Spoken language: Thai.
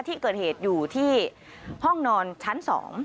ที่เกิดเหตุอยู่ที่ห้องนอนชั้น๒